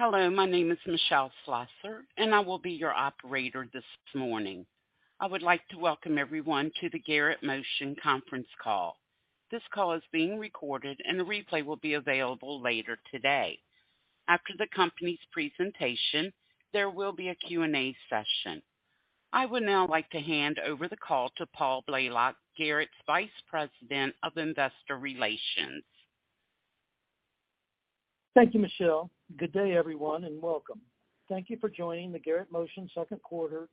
Hello, my name is Michelle Schlosser, and I will be your operator this morning. I would like to welcome everyone to the Garrett Motion conference call. This call is being recorded, and the replay will be available later today. After the company's presentation, there will be a Q&A session. I would now like to hand over the call to Paul Blalock, Garrett's Vice President of Investor Relations. Thank you, Michelle. Good day, everyone, and welcome. Thank you for joining the Garrett Motion second quarter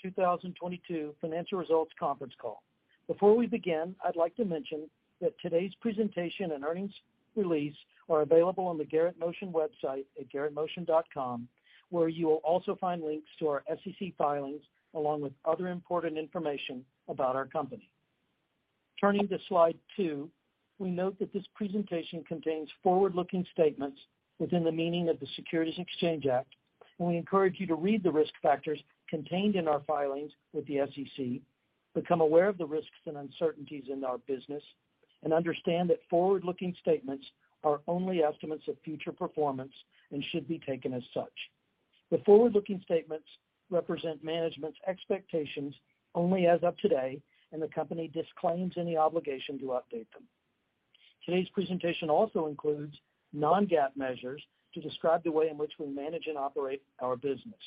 2022 financial results conference call. Before we begin, I'd like to mention that today's presentation and earnings release are available on the Garrett Motion website at garrettmotion.com, where you will also find links to our SEC filings, along with other important information about our company. Turning to slide two, we note that this presentation contains forward-looking statements within the meaning of the Securities Exchange Act, and we encourage you to read the risk factors contained in our filings with the SEC, become aware of the risks and uncertainties in our business, and understand that forward-looking statements are only estimates of future performance and should be taken as such. The forward-looking statements represent management's expectations only as of today, and the company disclaims any obligation to update them. Today's presentation also includes non-GAAP measures to describe the way in which we manage and operate our business.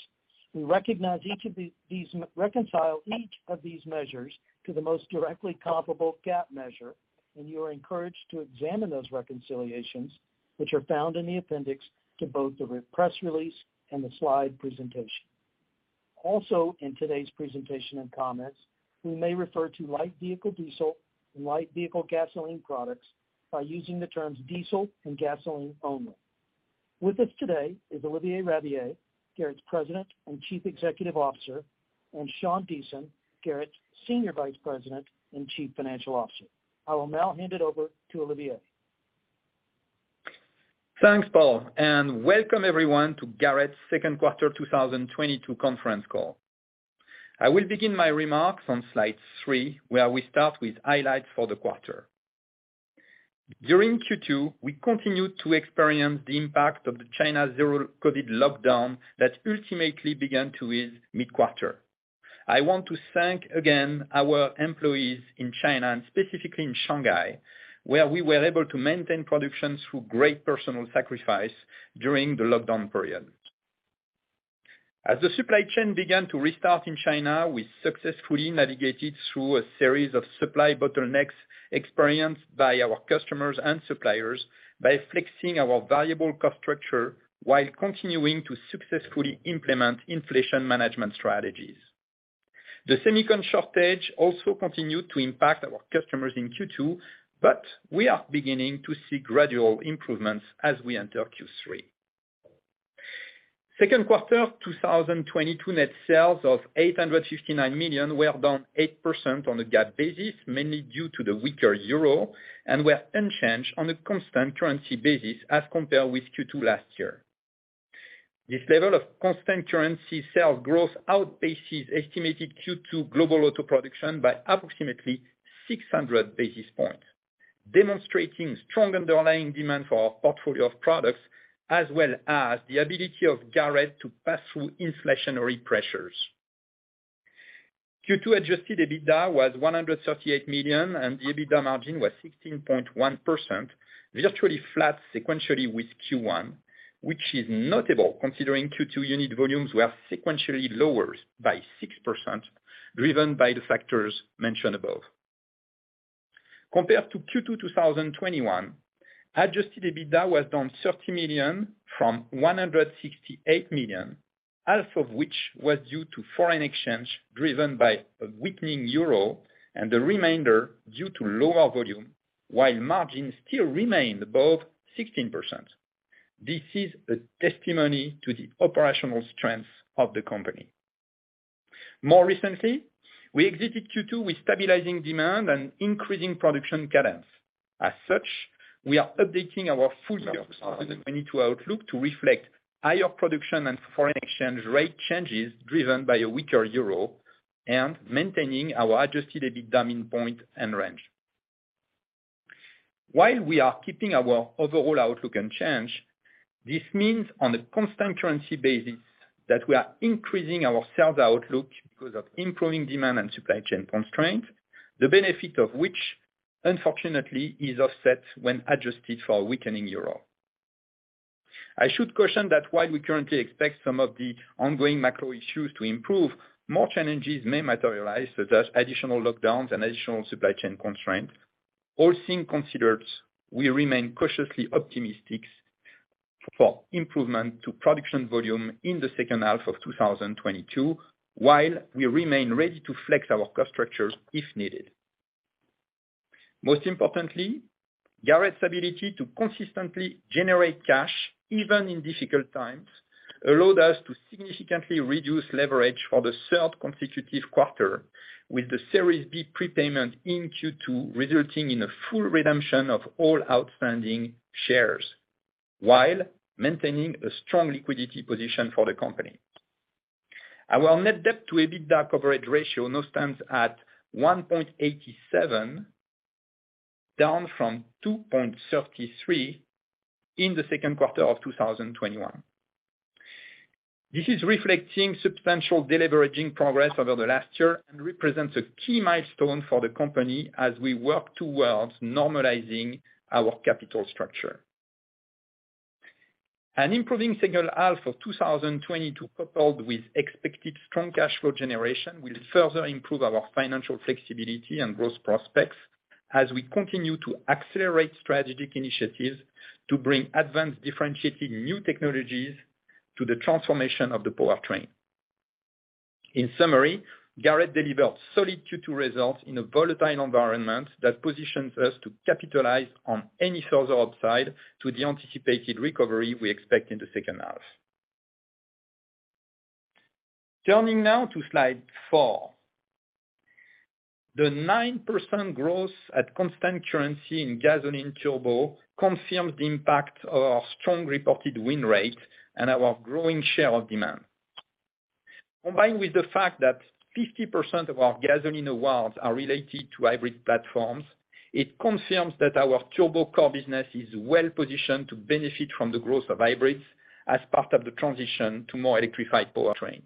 We recognize each of these, reconcile each of these measures to the most directly comparable GAAP measure, and you are encouraged to examine those reconciliations, which are found in the appendix to both the press release and the slide presentation. Also, in today's presentation and comments, we may refer to light vehicle diesel and light vehicle gasoline products by using the terms diesel and gasoline only. With us today is Olivier Rabiller, Garrett's President and Chief Executive Officer, and Sean Deason, Garrett's Senior Vice President and Chief Financial Officer. I will now hand it over to Olivier. Thanks, Paul, and welcome everyone to Garrett's Q2 2022 conference call. I will begin my remarks on slide three, where we start with highlights for the quarter. During Q2, we continued to experience the impact of the China zero COVID lockdown that ultimately began to ease mid-quarter. I want to thank again our employees in China, and specifically in Shanghai, where we were able to maintain production through great personal sacrifice during the lockdown period. As the supply chain began to restart in China, we successfully navigated through a series of supply bottlenecks experienced by our customers and suppliers by flexing our variable cost structure while continuing to successfully implement inflation management strategies. The semiconductor shortage also continued to impact our customers in Q2, but we are beginning to see gradual improvements as we enter Q3. Second quarter 2022 net sales of $859 million were down 8% on a GAAP basis, mainly due to the weaker euro, and were unchanged on a constant currency basis as compared with Q2 last year. This level of constant currency sales growth outpaces estimated Q2 Global Auto Production by approximately 600 basis points, demonstrating strong underlying demand for our portfolio of products, as well as the ability of Garrett to pass through inflationary pressures. Q2 Adjusted EBITDA was $138 million, and the EBITDA margin was 16.1%, virtually flat sequentially with Q1, which is notable considering Q2 unit volumes were sequentially lower by 6%, driven by the factors mentioned above. Compared to Q2 2021, Adjusted EBITDA was down $30 million from $168 million, half of which was due to foreign exchange, driven by a weakening euro, and the remainder due to lower volume, while margins still remained above 16%. This is a testimony to the operational strength of the company. More recently, we exited Q2 with stabilizing demand and increasing production cadence. As such, we are updating our full year 2022 outlook to reflect higher production and foreign exchange rate changes driven by a weaker euro and maintaining our Adjusted EBITDA midpoint and range. While we are keeping our overall outlook unchanged, this means on a constant currency basis that we are increasing our sales outlook because of improving demand and supply chain constraints, the benefit of which unfortunately is offset when adjusted for a weakening euro. I should caution that while we currently expect some of the ongoing macro issues to improve, more challenges may materialize, such as additional lockdowns and additional supply chain constraints. All things considered, we remain cautiously optimistic for improvement to production volume in the second half of 2022, while we remain ready to flex our cost structures if needed. Most importantly, Garrett's ability to consistently generate cash, even in difficult times, allowed us to significantly reduce leverage for the third consecutive quarter with the Series B prepayment in Q2, resulting in a full redemption of all outstanding shares while maintaining a strong liquidity position for the company. Our net debt to EBITDA coverage ratio now stands at 1.87x, down from 2.33x in the second quarter of 2021. This is reflecting substantial deleveraging progress over the last year and represents a key milestone for the company as we work towards normalizing our capital structure. An improving second half of 2022, coupled with expected strong cash flow generation, will further improve our financial flexibility and growth prospects as we continue to accelerate strategic initiatives to bring advanced differentiating new technologies to the transformation of the powertrain. In summary, Garrett delivered solid Q2 results in a volatile environment that positions us to capitalize on any further upside to the anticipated recovery we expect in the second half. Turning now to slide four. The 9% growth at constant currency in gasoline turbo confirms the impact of our strong reported win rate and our growing share of demand. Combined with the fact that 50% of our gasoline awards are related to hybrid platforms, it confirms that our turbo core business is well-positioned to benefit from the growth of hybrids as part of the transition to more electrified powertrain.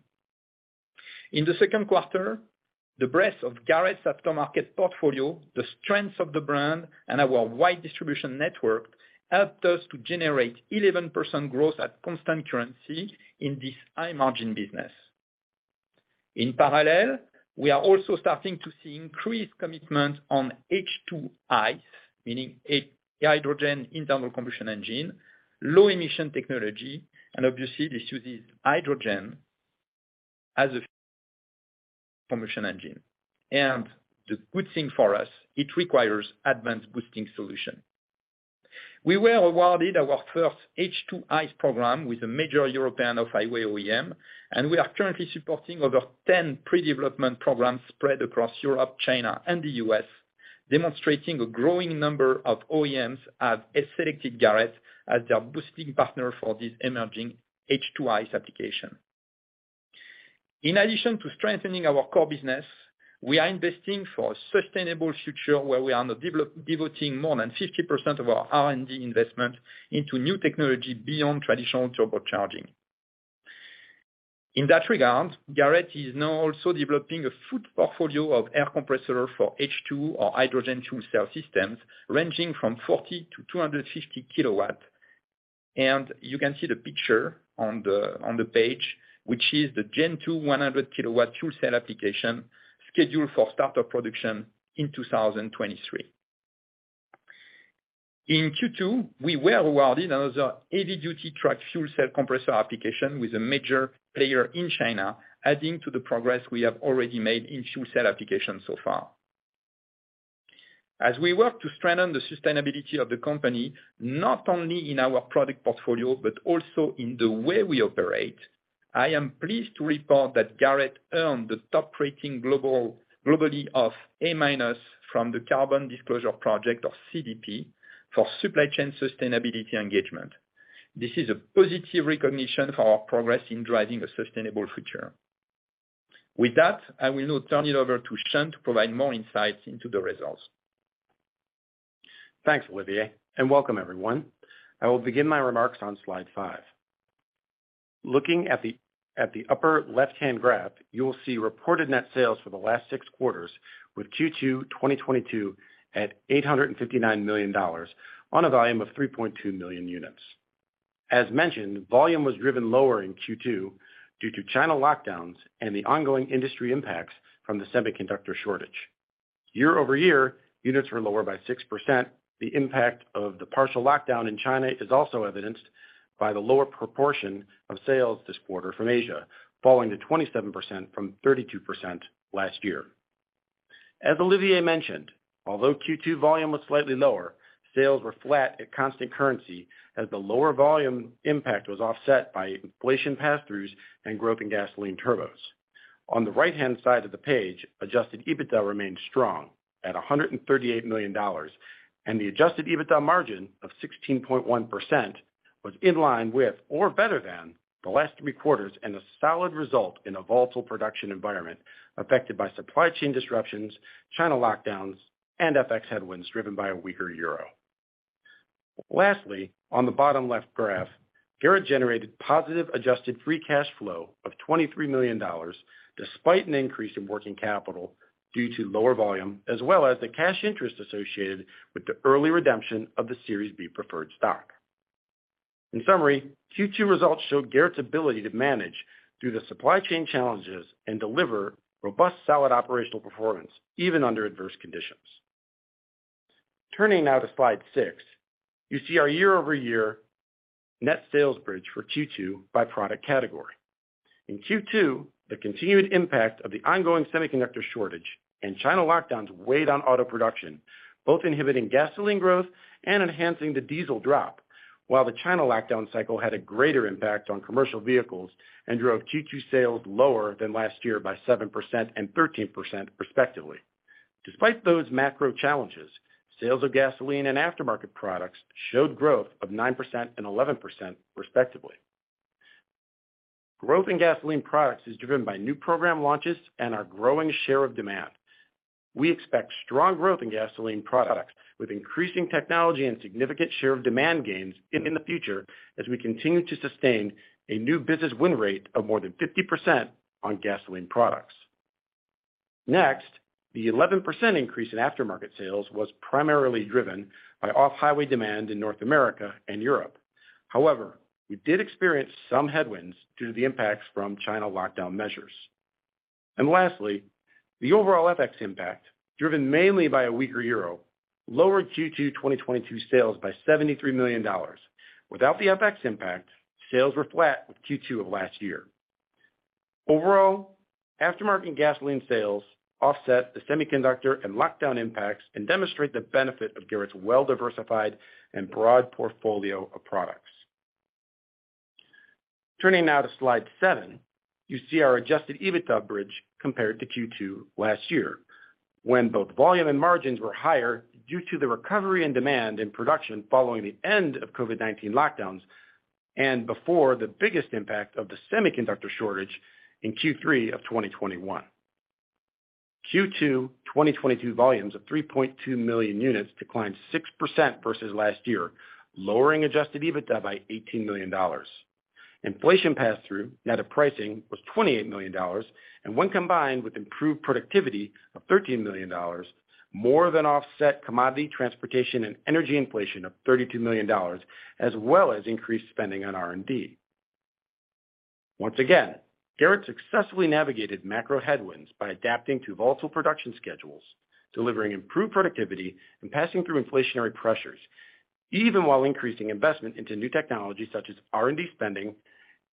In the second quarter, the breadth of Garrett's aftermarket portfolio, the strength of the brand, and our wide distribution network helped us to generate 11% growth at constant currency in this high-margin business. In parallel, we are also starting to see increased commitment on H2ICE, meaning Hydrogen Internal Combustion Engine, low emission technology, and obviously this uses hydrogen as a propulsion engine. The good thing for us, it requires advanced boosting solution. We were awarded our first H2ICE program with a major European off-highway OEM, and we are currently supporting over 10 pre-development programs spread across Europe, China, and the U.S., demonstrating a growing number of OEMs have selected Garrett as their boosting partner for this emerging H2ICE application. In addition to strengthening our core business, we are investing for a sustainable future where we are now devoting more than 50% of our R&D investment into new technology beyond traditional turbocharging. In that regard, Garrett is now also developing a full portfolio of air compressor for H2 or Hydrogen Fuel Cell systems ranging from 40 kW-250 kW. You can see the picture on the page, which is the GEN II 100 kW fuel cell application scheduled for startup production in 2023. In Q2, we were awarded another heavy-duty truck fuel cell compressor application with a major player in China, adding to the progress we have already made in fuel cell applications so far. As we work to strengthen the sustainability of the company, not only in our product portfolio, but also in the way we operate, I am pleased to report that Garrett earned the top rating globally of A- from the Carbon Disclosure Project or CDP for supply chain sustainability engagement. This is a positive recognition for our progress in driving a sustainable future. With that, I will now turn it over to Sean to provide more insights into the results. Thanks, Olivier, and welcome everyone. I will begin my remarks on slide 5. Looking at the upper left-hand graph, you will see reported net sales for the last six quarters with Q2 2022 at $859 million on a volume of 3.2 million units. As mentioned, volume was driven lower in Q2 due to China lockdowns and the ongoing industry impacts from the semiconductor shortage. Year-over-year, units were lower by 6%. The impact of the partial lockdown in China is also evidenced by the lower proportion of sales this quarter from Asia, falling to 27% from 32% last year. As Olivier mentioned, although Q2 volume was slightly lower, sales were flat at constant currency as the lower volume impact was offset by inflation pass-throughs and growth in gasoline turbos. On the right-hand side of the page, Adjusted EBITDA remained strong at $138 million, and the Adjusted EBITDA margin of 16.1% was in line with or better than the last three quarters and a solid result in a volatile production environment affected by supply chain disruptions, China lockdowns, and FX headwinds driven by a weaker euro. Lastly, on the bottom left graph, Garrett generated positive Adjusted free cash flow of $23 million despite an increase in working capital due to lower volume, as well as the cash interest associated with the early redemption of the Series B preferred stock. In summary, Q2 results show Garrett's ability to manage through the supply chain challenges and deliver robust solid operational performance, even under adverse conditions. Turning now to slide six, you see our year-over-year net sales bridge for Q2 by product category. In Q2, the continued impact of the ongoing semiconductor shortage and China lockdowns weighed on auto production, both inhibiting gasoline growth and enhancing the diesel drop. While the China lockdown cycle had a greater impact on commercial vehicles and drove Q2 sales lower than last year by 7% and 13% respectively. Despite those macro challenges, sales of gasoline and aftermarket products showed growth of 9% and 11% respectively. Growth in gasoline products is driven by new program launches and our growing share of demand. We expect strong growth in gasoline products with increasing technology and significant share of demand gains in the future as we continue to sustain a new business win rate of more than 50% on gasoline products. Next, the 11% increase in aftermarket sales was primarily driven by off-highway demand in North America and Europe. However, we did experience some headwinds due to the impacts from China lockdown measures. Lastly, the overall FX impact, driven mainly by a weaker euro, lowered Q2 2022 sales by $73 million. Without the FX impact, sales were flat with Q2 of last year. Overall, Aftermarket and gasoline sales offset the semiconductor and lockdown impacts and demonstrate the benefit of Garrett's well-diversified and broad portfolio of products. Turning now to slide seven, you see our Adjusted EBITDA bridge compared to Q2 last year, when both volume and margins were higher due to the recovery and demand in production following the end of COVID-19 lockdowns and before the biggest impact of the semiconductor shortage in Q3 2021. Q2 2022 volumes of 3.2 million units declined 6% versus last year, lowering Adjusted EBITDA by $18 million. Inflation pass-through net of pricing was $28 million and when combined with improved productivity of $13 million, more than offset commodity, transportation, and energy inflation of $32 million as well as increased spending on R&D. Once again, Garrett successfully navigated macro headwinds by adapting to volatile production schedules, delivering improved productivity and passing through inflationary pressures, even while increasing investment into new technology such as R&D spending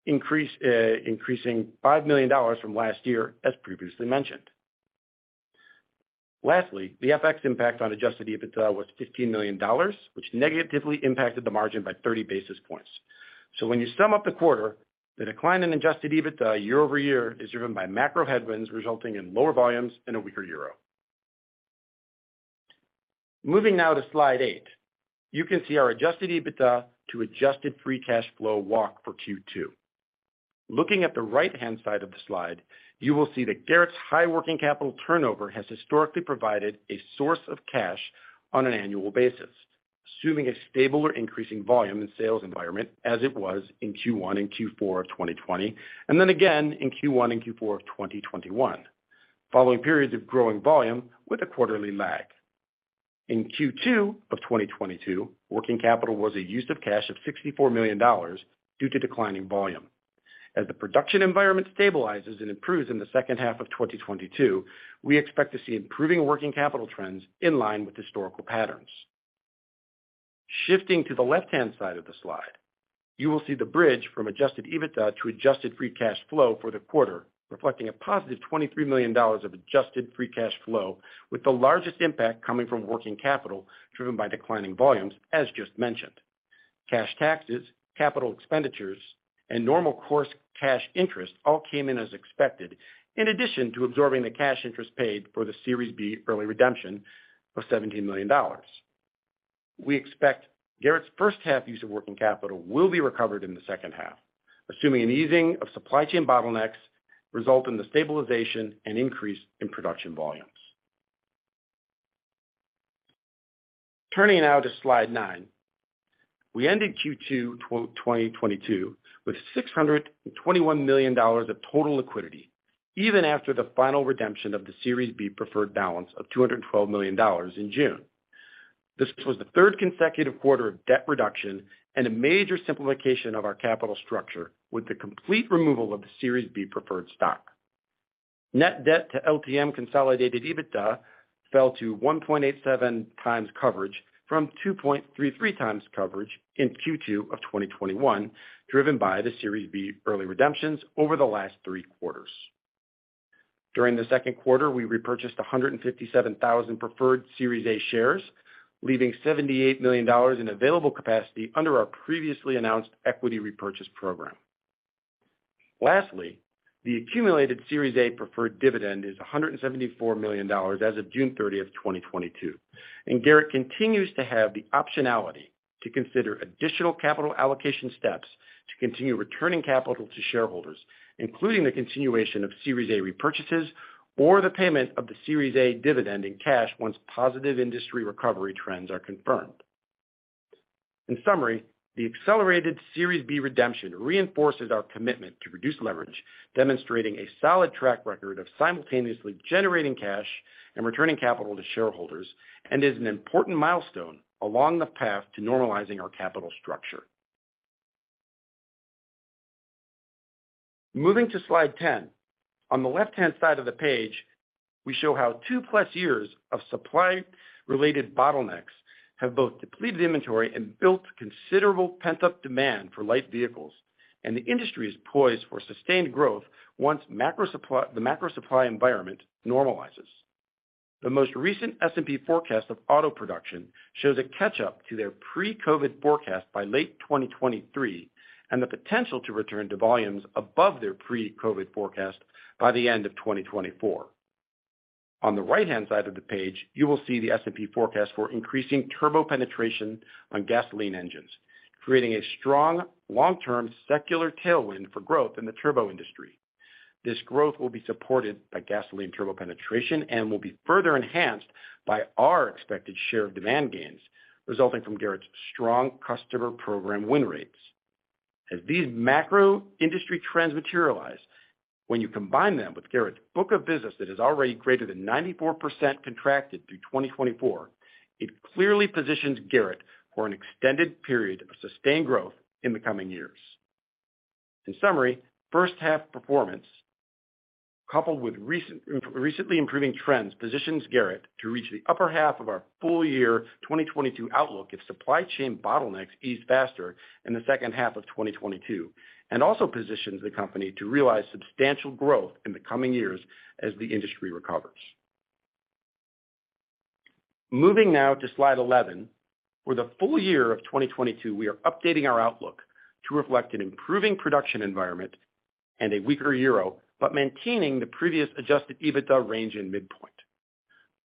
increasing $5 million from last year, as previously mentioned. Lastly, the FX impact on Adjusted EBITDA was $15 million, which negatively impacted the margin by 30 basis points. When you sum up the quarter, the decline in Adjusted EBITDA year-over-year is driven by macro headwinds resulting in lower volumes and a weaker euro. Moving now to slide eight, you can see our Adjusted EBITDA to Adjusted free cash flow walk for Q2. Looking at the right-hand side of the slide, you will see that Garrett's high working capital turnover has historically provided a source of cash on an annual basis, assuming a stable or increasing volume in sales environment as it was in Q1 and Q4 of 2020, and then again in Q1 and Q4 of 2021, following periods of growing volume with a quarterly lag. In Q2 of 2022, working capital was a use of cash of $64 million due to declining volume. As the production environment stabilizes and improves in the second half of 2022, we expect to see improving working capital trends in line with historical patterns. Shifting to the left-hand side of the slide, you will see the bridge from Adjusted EBITDA to Adjusted free cash flow for the quarter, reflecting a +$23 million of Adjusted free cash flow, with the largest impact coming from working capital driven by declining volumes, as just mentioned. Cash taxes, capital expenditures, and normal course cash interest all came in as expected, in addition to absorbing the cash interest paid for the Series B early redemption of $17 million. We expect Garrett's first half use of working capital will be recovered in the second half, assuming an easing of supply chain bottlenecks result in the stabilization and increase in production volumes. Turning now to slide nine, we ended Q2 2022 with $621 million of total liquidity, even after the final redemption of the Series B preferred balance of $212 million in June. This was the third consecutive quarter of debt reduction and a major simplification of our capital structure with the complete removal of the Series B preferred stock. Net debt to LTM consolidated EBITDA fell to 1.87x coverage from 2.33x coverage in Q2 2021, driven by the Series B early redemptions over the last three quarters. During the second quarter, we repurchased 157,000 preferred Series A shares, leaving $78 million in available capacity under our previously announced Equity Repurchase Program. Lastly, the accumulated Series A preferred dividend is $174 million as of June 30, 2022, and Garrett continues to have the optionality to consider additional capital allocation steps to continue returning capital to shareholders, including the continuation of Series A repurchases or the payment of the Series A dividend in cash once positive industry recovery trends are confirmed. In summary, the accelerated Series B redemption reinforces our commitment to reduce leverage, demonstrating a solid track record of simultaneously generating cash and returning capital to shareholders, and is an important milestone along the path to normalizing our capital structure. Moving to slide 10. On the left-hand side of the page, we show how 2+ years of supply-related bottlenecks have both depleted inventory and built considerable pent-up demand for light vehicles, and the industry is poised for sustained growth once the macro supply environment normalizes. The most recent S&P forecast of auto production shows a catch-up to their pre-COVID forecast by late 2023 and the potential to return to volumes above their pre-COVID forecast by the end of 2024. On the right-hand side of the page, you will see the S&P forecast for increasing turbo penetration on gasoline engines, creating a strong long-term secular tailwind for growth in the turbo industry. This growth will be supported by gasoline turbo penetration and will be further enhanced by our expected share of demand gains resulting from Garrett's strong customer program win rates. As these macro industry trends materialize, when you combine them with Garrett's book of business that is already greater than 94% contracted through 2024, it clearly positions Garrett for an extended period of sustained growth in the coming years. In summary, first half performance coupled with recently improving trends positions Garrett to reach the upper half of our full year 2022 outlook if supply chain bottlenecks ease faster in the second half of 2022, and also positions the company to realize substantial growth in the coming years as the industry recovers. Moving now to slide 11. For the full year of 2022, we are updating our outlook to reflect an improving production environment and a weaker euro, but maintaining the previous Adjusted EBITDA range in midpoint.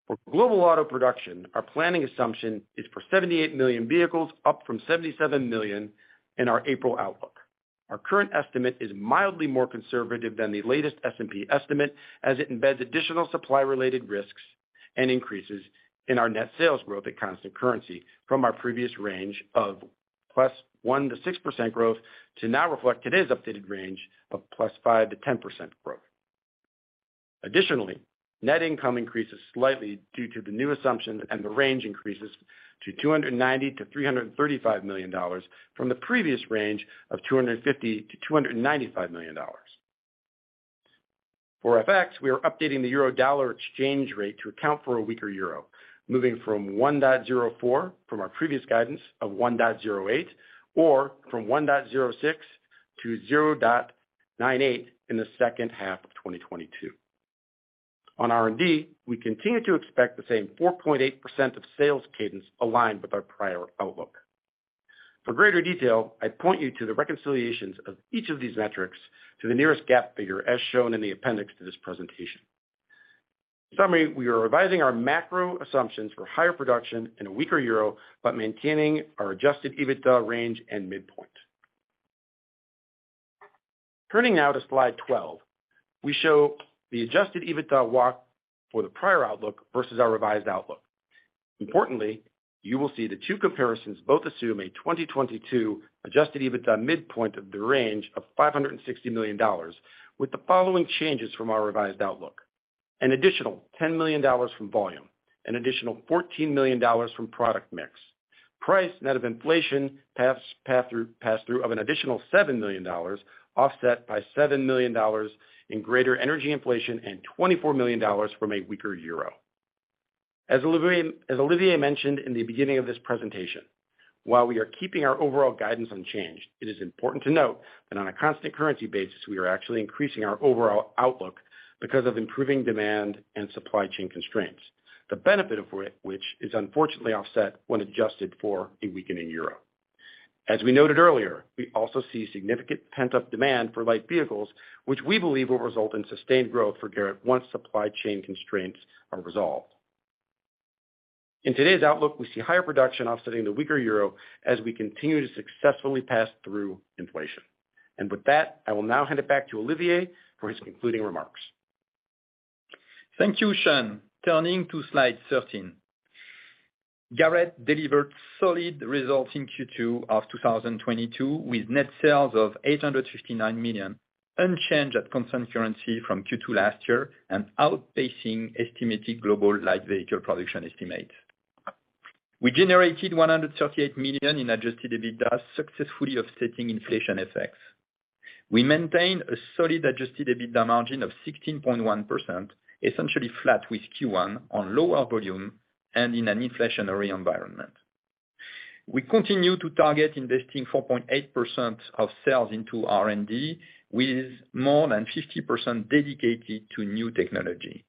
For global auto production, our planning assumption is for 78 million vehicles, up from 77 million in our April outlook. Our current estimate is mildly more conservative than the latest S&P estimate as it embeds additional supply-related risks and increases in our net sales growth at constant currency from our previous range of +1% to 6% growth to now reflect today's updated range of +5% to 10% growth. Additionally, net income increases slightly due to the new assumption and the range increases to $290 million-$335 million from the previous range of $250 million-$295 million. For FX, we are updating the euro-dollar exchange rate to account for a weaker euro, moving from 1.04 from our previous guidance of $1.08, or from 1.06 to $0.98 in the second half of 2022. On R&D, we continue to expect the same 4.8% of sales cadence aligned with our prior outlook. For greater detail, I point you to the reconciliations of each of these metrics to the nearest GAAP figure as shown in the appendix to this presentation. In summary, we are revising our macro assumptions for higher production and a weaker euro, but maintaining our Adjusted EBITDA range and midpoint. Turning now to slide 12, we show the Adjusted EBITDA walk for the prior outlook versus our revised outlook. Importantly, you will see the two comparisons both assume a 2022 Adjusted EBITDA midpoint of the range of $560 million with the following changes from our revised outlook. An additional $10 million from volume, an additional $14 million from product mix, price net of inflation pass-through of an additional $7 million, offset by $7 million in greater energy inflation and $24 million from a weaker euro. As Olivier mentioned in the beginning of this presentation, while we are keeping our overall guidance unchanged, it is important to note that on a constant currency basis, we are actually increasing our overall outlook because of improving demand and supply chain constraints. The benefit of which is unfortunately offset when adjusted for a weakening euro. As we noted earlier, we also see significant pent-up demand for light vehicles, which we believe will result in sustained growth for Garrett once supply chain constraints are resolved. In today's outlook, we see higher production offsetting the weaker euro as we continue to successfully pass through inflation. With that, I will now hand it back to Olivier for his concluding remarks. Thank you, Sean. Turning to slide 13. Garrett delivered solid results in Q2 of 2022, with net sales of $859 million, unchanged at constant currency from Q2 last year and outpacing estimated global light vehicle production estimates. We generated $138 million in Adjusted EBITDA, successfully offsetting inflation effects. We maintained a solid Adjusted EBITDA margin of 16.1%, essentially flat with Q1 on lower volume and in an inflationary environment. We continue to target investing 4.8% of sales into R&D, with more than 50% dedicated to new technology.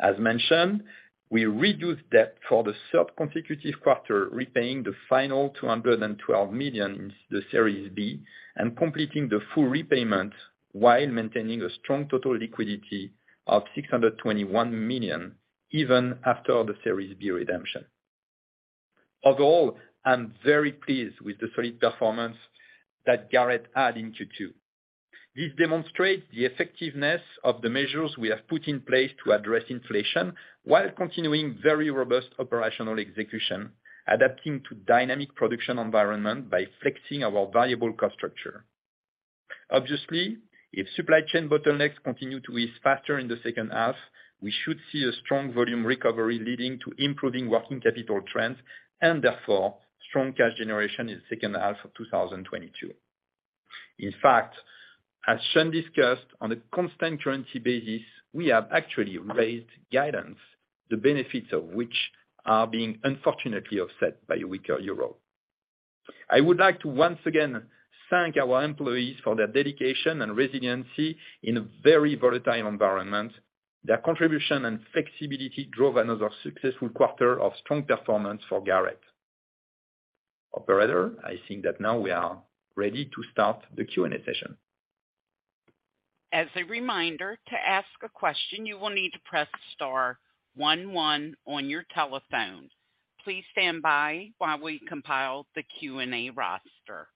As mentioned, we reduced debt for the third consecutive quarter, repaying the final $212 million in the Series B and completing the full repayment while maintaining a strong total liquidity of $621 million, even after the Series B redemption. Overall, I'm very pleased with the solid performance that Garrett had in Q2. This demonstrates the effectiveness of the measures we have put in place to address inflation while continuing very robust operational execution, adapting to dynamic production environment by flexing our valuable cost structure. Obviously, if supply chain bottlenecks continue to ease faster in the second half, we should see a strong volume recovery leading to improving working capital trends and therefore, strong cash generation in the second half of 2022. In fact, as Sean discussed, on a constant currency basis, we have actually raised guidance, the benefits of which are being unfortunately offset by a weaker euro. I would like to once again thank our employees for their dedication and resiliency in a very volatile environment. Their contribution and flexibility drove another successful quarter of strong performance for Garrett. Operator, I think that now we are ready to start the Q&A session. As a reminder, to ask a question, you will need to press star one one on your telephone. Please stand by while we compile the Q&A roster.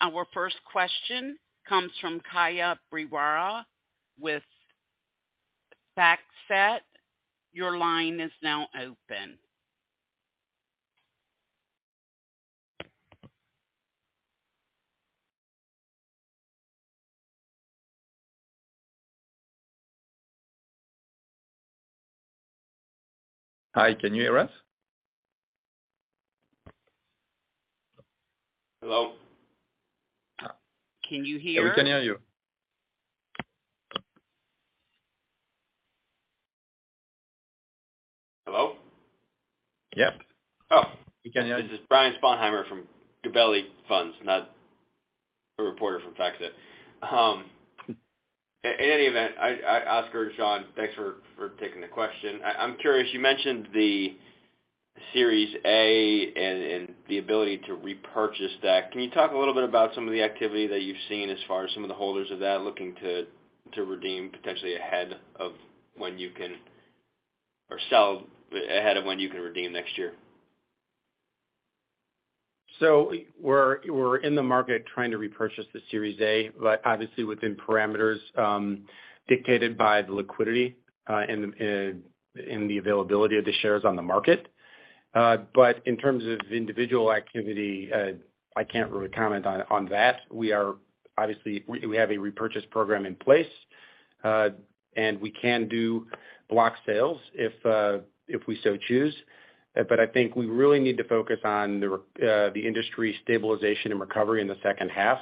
Our first question comes from Brian Sponheimer with Gabelli Funds. Your line is now open. Hi, can you hear us? Hello. Can you hear? Yeah, we can hear you. Hello? Yep. Oh. We can hear you. This is Brian Sponheimer from Gabelli Funds, not a reporter from FactSet. In any event, Olivier, Sean, thanks for taking the question. I'm curious, you mentioned the Series A and the ability to repurchase that. Can you talk a little bit about some of the activity that you've seen as far as some of the holders of that looking to redeem potentially ahead of when you can or sell ahead of when you can redeem next year? We're in the market trying to repurchase the Series A, but obviously within parameters dictated by the liquidity and the availability of the shares on the market. In terms of individual activity, I can't really comment on that. Obviously we have a repurchase program in place, and we can do block sales if we so choose. I think we really need to focus on the industry stabilization and recovery in the second half.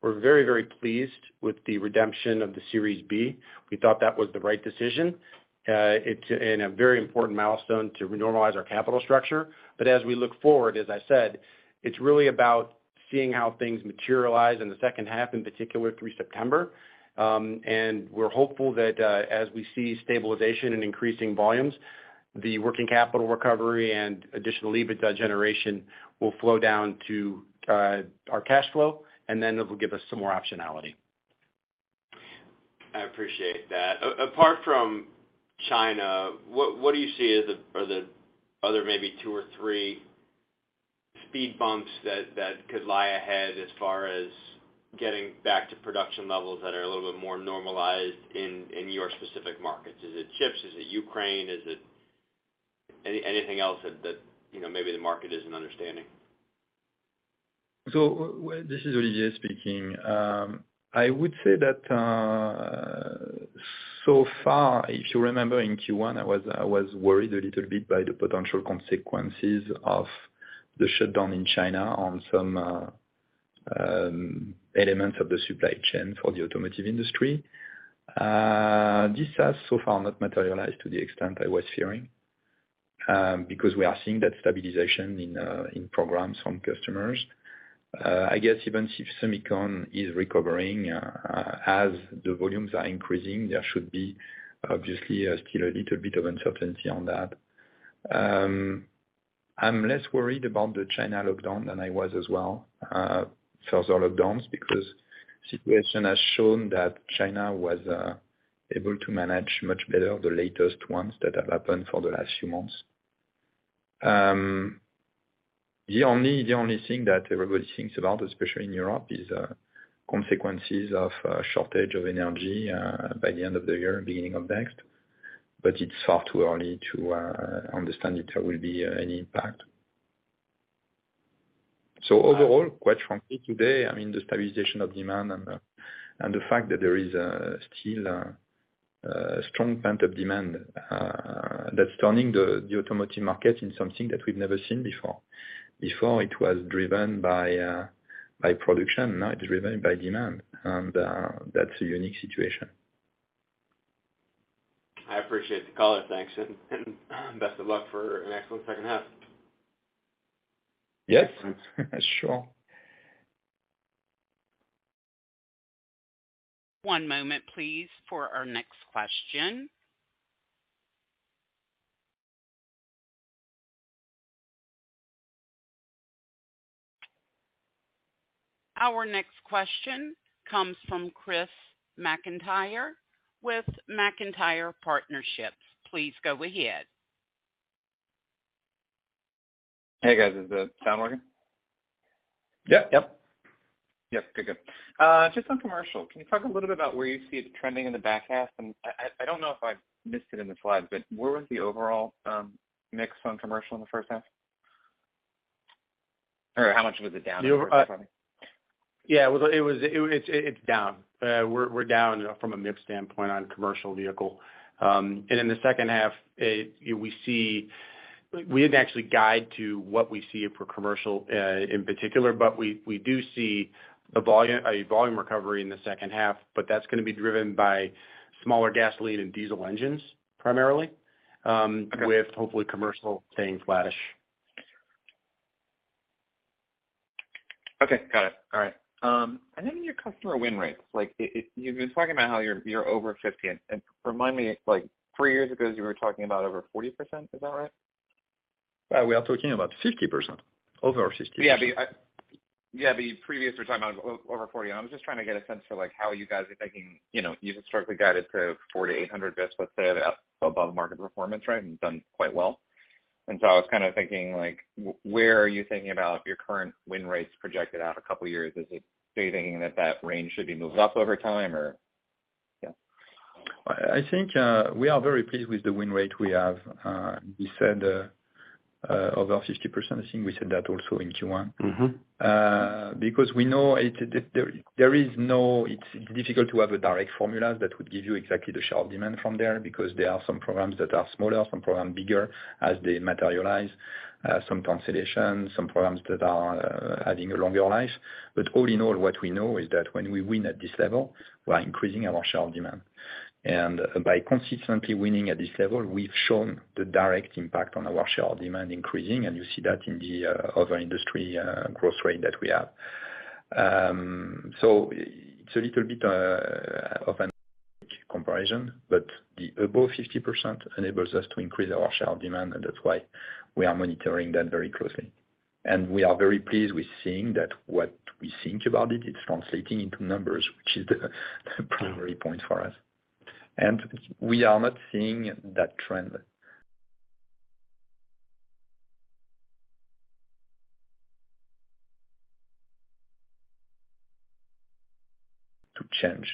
We're very, very pleased with the redemption of the Series B. We thought that was the right decision. It's a very important milestone to renormalize our capital structure. As we look forward, as I said, it's really about seeing how things materialize in the second half, in particular through September. We're hopeful that, as we see stabilization and increasing volumes, the working capital recovery and additional EBITDA generation will flow down to our cash flow, and then it will give us some more optionality. I appreciate that. Apart from China, what do you see as the other maybe two or three speed bumps that could lie ahead as far as getting back to production levels that are a little bit more normalized in your specific markets? Is it chips? Is it Ukraine? Is it anything else that you know, maybe the market isn't understanding? This is Olivier speaking. I would say that so far, if you remember in Q1, I was worried a little bit by the potential consequences of the shutdown in China on some elements of the supply chain for the automotive industry. This has so far not materialized to the extent I was fearing, because we are seeing that stabilization in programs from customers. I guess even if semiconductor is recovering, as the volumes are increasing, there should be obviously still a little bit of uncertainty on that. I'm less worried about the China lockdown than I was as well first lockdowns, because situation has shown that China was able to manage much better the latest ones that have happened for the last few months. The only thing that everybody thinks about, especially in Europe, is consequences of shortage of energy by the end of the year, beginning of next, but it's far too early to understand if there will be any impact. Overall, quite frankly, today, I mean, the stabilization of demand and the fact that there is still a strong pent-up demand, that's turning the automotive market in something that we've never seen before. Before it was driven by production. Now it's driven by demand. That's a unique situation. I appreciate the call. Thanks, and best of luck for an excellent second half. Yes. Sure. One moment, please, for our next question. Our next question comes from Chris McIntyre with McIntyre Partnerships. Please go ahead. Hey, guys. Is the sound working? Yep. Yep. Yep. Good, good. Just on commercial, can you talk a little bit about where you see it trending in the back half? I don't know if I missed it in the slides, but where was the overall mix on commercial in the first half? Or how much was it down quarter-over-quarter? It's down. We're down from a mix standpoint on commercial vehicle. In the second half, we didn't actually guide to what we see for commercial, in particular, but we do see a volume recovery in the second half, but that's gonna be driven by smaller gasoline and diesel engines, primarily. Okay. With hopefully commercial staying flatish. Okay. Got it. All right. Your customer win rates, like you've been talking about how you're over 50%. Remind me, like three years ago, you were talking about over 40%. Is that right? Yeah, we are talking about 50%. Over 60%. Yeah, the previous we're talking about over 40%. I was just trying to get a sense for like how you guys are thinking. You know, you've historically guided to 400 basis points-800 basis points above market performance, right? And done quite well. And so I was kind of thinking like, where are you thinking about your current win rates projected out a couple of years? Is it. Do you think that that range should be moved up over time or yeah. I think we are very pleased with the win rate we have. We said over 50%. I think we said that also in Q1. Mm-hmm. It's difficult to have a direct formula that would give you exactly the share of demand from there, because there are some programs that are smaller, some programs bigger as they materialize, some consolidation, some programs that are having a longer life. All-in-all, what we know is that when we win at this level, we're increasing our share of demand. By consistently winning at this level, we've shown the direct impact on our share of demand increasing, and you see that in the overall industry growth rate that we have. It's a little bit of a comparison, but the above 50% enables us to increase our share of demand, and that's why we are monitoring that very closely. We are very pleased with seeing that what we think about it's translating into numbers, which is the primary point for us. We are not seeing that trend to change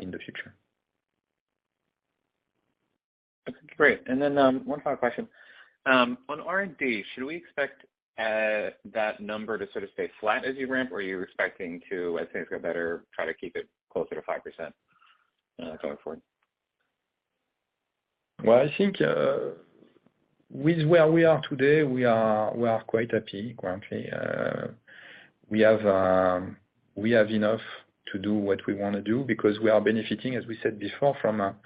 in the future. Okay, great. One final question. On R&D, should we expect that number to sort of stay flat as you ramp, or are you expecting to, as things go better, try to keep it closer to 5%, going forward? Well, I think, with where we are today, we are quite happy, frankly. We have enough to do what we wanna do because we are benefiting, as we said before, from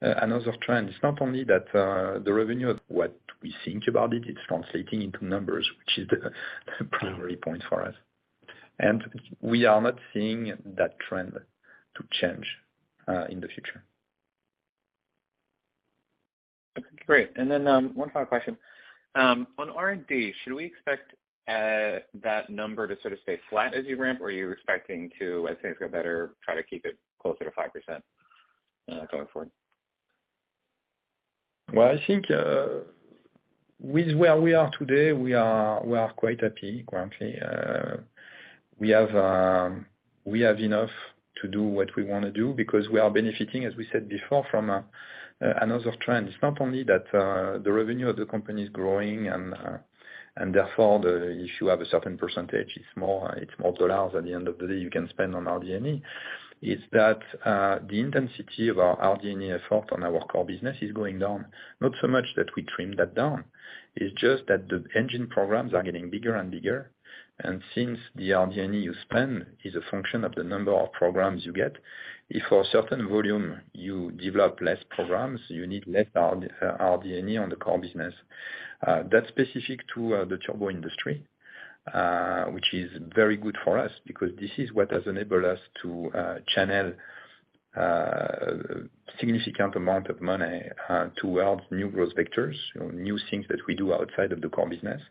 another trend. It's not only that, the revenue of what we think about it's translating into numbers, which is the primary point for us. We are not seeing that trend to change in the future. Okay, great. One final question. On R&D, should we expect that number to sort of stay flat as you ramp, or are you expecting to, as things go better, try to keep it closer to 5%, going forward? Well, I think, with where we are today, we are quite happy, frankly. We have enough to do what we wanna do because we are benefiting, as we said before, from another trend. It's not only that the revenue of the company is growing and therefore, the issue of a certain percentage is more, it's more dollars at the end of the day you can spend on RD&E. It's that the intensity of our RD&E effort on our core business is going down. Not so much that we trimmed that down. It's just that the engine programs are getting bigger and bigger. Since the RD&E you spend is a function of the number of programs you get, if for a certain volume you develop less programs, you need less RD&E on the core business. That's specific to the turbo industry, which is very good for us because this is what has enabled us to channel significant amount of money towards new growth vectors, you know, new things that we do outside of the core business.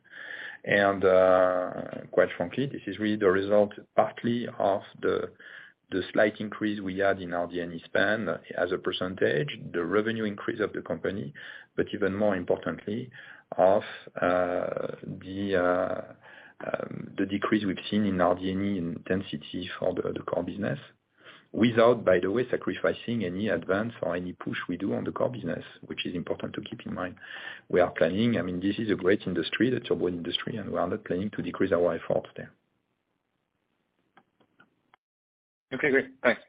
Quite frankly, this is really the result partly of the slight increase we had in RD&E spend as a percentage, the revenue increase of the company, but even more importantly, of the decrease we've seen in RD&E intensity for the core business. Without, by the way, sacrificing any advance or any push we do on the core business, which is important to keep in mind. I mean, this is a great industry, the turbo industry, and we are not planning to decrease our effort there. Okay, great. Thanks.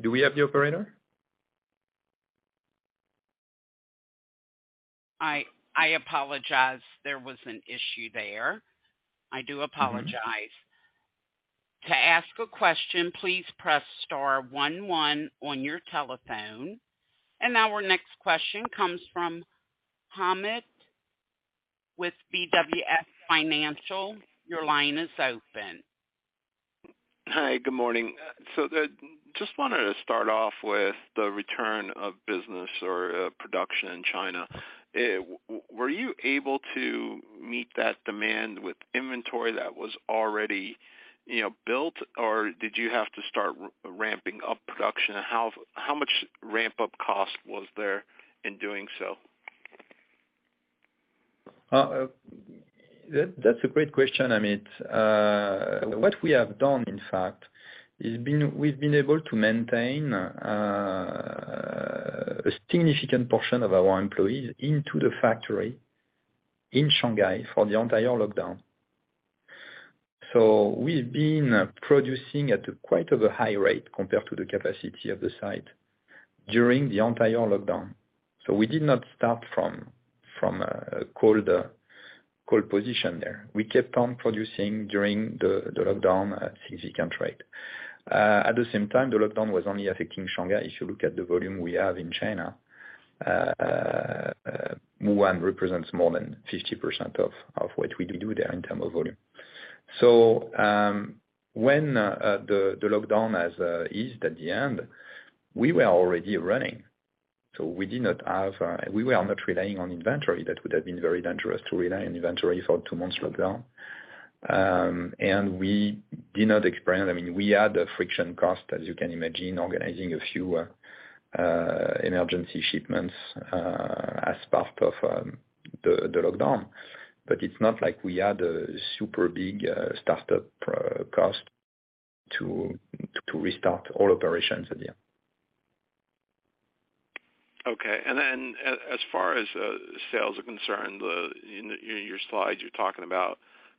Do we have the operator? I apologize. There was an issue there. I do apologize. To ask a question, please press star one one on your telephone. Now our next question comes from Hamed Khorsand with BWS Financial. Your line is open. Hi, good morning. Just wanted to start off with the return of business or production in China. Were you able to meet that demand with inventory that was already, you know, built, or did you have to start ramping up production? How much ramp-up cost was there in doing so? That's a great question, Hamed. What we have done, in fact, we've been able to maintain a significant portion of our employees in the factory in Shanghai for the entire lockdown. We've been producing at quite a high rate compared to the capacity of the site during the entire lockdown. We did not start from a cold position there. We kept on producing during the lockdown at 50% rate. At the same time, the lockdown was only affecting Shanghai. If you look at the volume we have in China, Wuhan represents more than 50% of what we do there in terms of volume. When the lockdown has eased at the end, we were already running. We were not relying on inventory. That would have been very dangerous to rely on inventory for two months lockdown. We did not experience. I mean, we had a friction cost, as you can imagine, organizing a few emergency shipments, as part of the lockdown. It's not like we had a super big start-up cost to restart all operations at the end. Okay. As far as sales are concerned, in your slides, you're talking about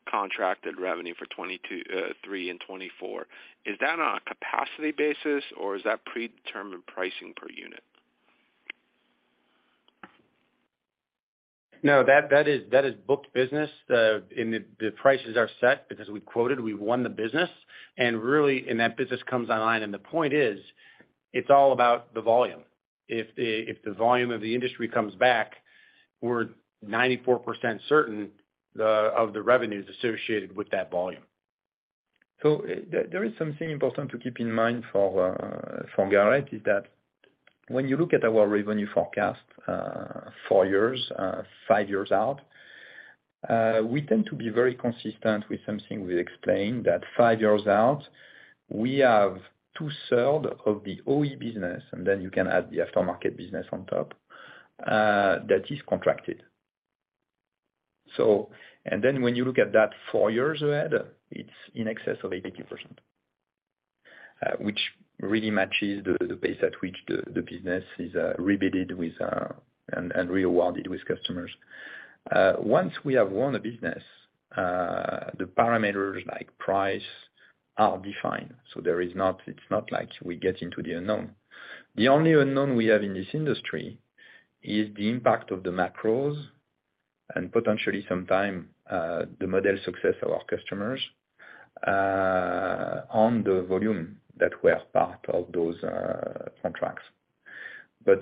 contracted revenue for 2022, 2023 and 2024. Is that on a capacity basis, or is that predetermined pricing per unit? No, that is booked business. The prices are set because we quoted, we won the business. Really, and that business comes online. The point is, it's all about the volume. If the volume of the industry comes back, we're 94% certain of the revenues associated with that volume. There is something important to keep in mind from Garrett is that when you look at our revenue forecast, four years, five years out, we tend to be very consistent with something we explained that five years out, we have 2/3 of the OEM business, and then you can add the aftermarket business on top, that is contracted. Then when you look at that four years ahead, it's in excess of 82%, which really matches the pace at which the business is rebid with and re-awarded with customers. Once we have won a business, the parameters like price are defined. It's not like we get into the unknown. The only unknown we have in this industry is the impact of the macros and potentially sometimes the model success of our customers on the volume that we're part of those contracts.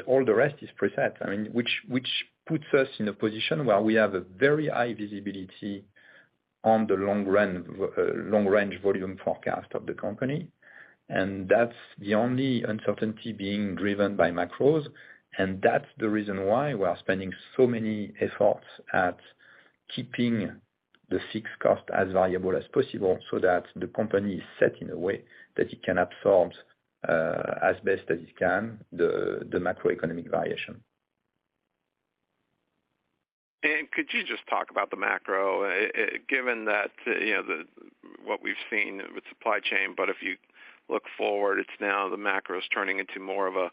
All the rest is preset. I mean, which puts us in a position where we have a very high visibility on the long range volume forecast of the company. That's the only uncertainty being driven by macros. That's the reason why we are spending so many efforts at keeping the fixed cost as low as possible so that the company is set in a way that it can absorb as best as it can the macroeconomic variation. Could you just talk about the macro, given that, you know, what we've seen with supply chain, but if you look forward, it's now the macro is turning into more of a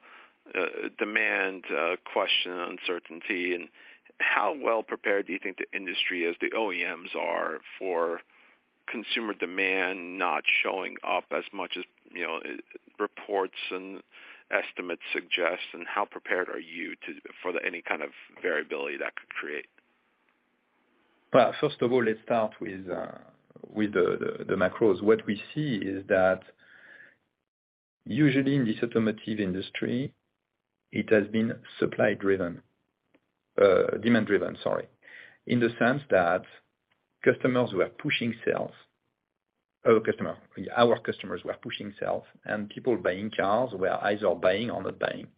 demand question uncertainty. How well prepared do you think the industry as the OEMs are for consumer demand not showing up as much as, you know, reports and estimates suggest, and how prepared are you for any kind of variability that could create? Well, first of all, let's start with the macros. What we see is that usually in this automotive industry, it has been supply driven, demand driven, sorry, in the sense that customers were pushing sales. Our customers were pushing sales, and people buying cars were either buying or not buying.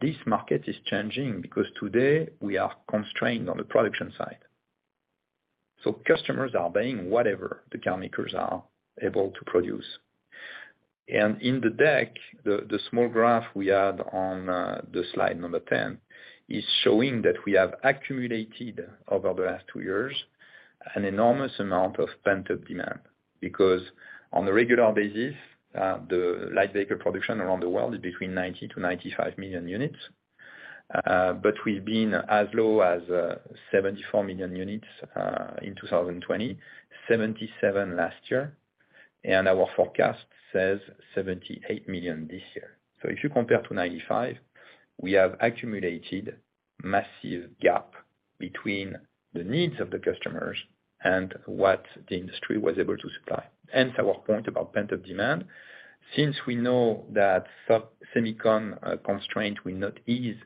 This market is changing because today we are constrained on the production side. Customers are buying whatever the car makers are able to produce. In the deck, the small graph we had on the slide number 10 is showing that we have accumulated over the last two years an enormous amount of pent-up demand. Because on a regular basis, the light vehicle production around the world is between 90 million-95 million units. We've been as low as 74 million units in 2020, 77 million units last year, and our forecast says 78 million units this year. If you compare to 95 million units, we have accumulated massive gap between the needs of the customers and what the industry was able to supply. Hence our point about pent-up demand. Since we know that semiconductor constraint will not ease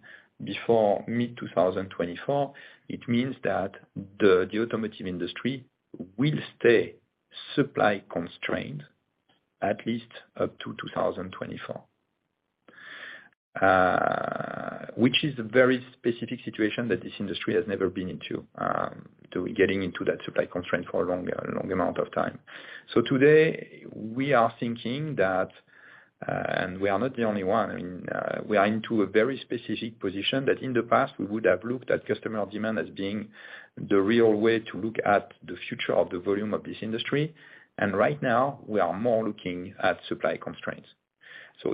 before mid-2024, it means that the automotive industry will stay supply constrained at least up to 2024. Which is a very specific situation that this industry has never been into, to getting into that supply constraint for a long amount of time. Today, we are thinking that, and we are not the only one. I mean, we are into a very specific position that in the past we would have looked at customer demand as being the real way to look at the future of the volume of this industry. Right now we are more looking at supply constraints.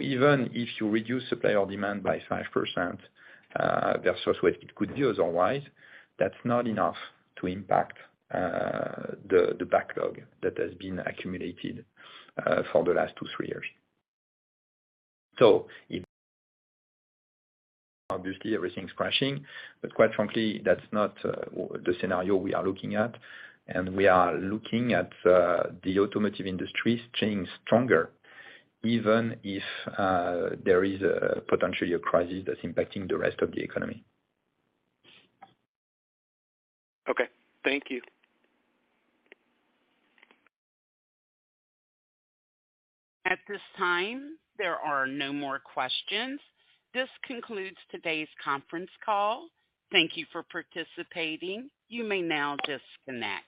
Even if you reduce supply or demand by 5%, versus what it could do otherwise, that's not enough to impact the backlog that has been accumulated for the last 2 years-3 years. If obviously everything's crashing, but quite frankly, that's not the scenario we are looking at. We are looking at the automotive industry staying stronger, even if there is potentially a crisis that's impacting the rest of the economy. Okay. Thank you. At this time, there are no more questions. This concludes today's conference call. Thank you for participating. You may now disconnect.